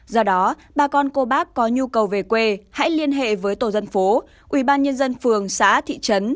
do đó bà con cô bác có nhu cầu về quê hãy liên hệ với tổ dân phố ủy ban nhân dân phường xã thị trấn